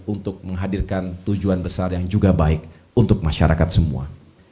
untuk menghadirkan tujuan besar yang juga baik untuk masyarakat semua